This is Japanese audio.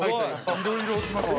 いろいろできますよ。